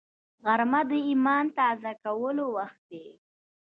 غرمه د ایمان تازه کولو وخت دی